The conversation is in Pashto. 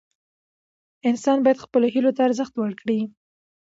انسان باید خپلو هیلو ته ارزښت ورکړي.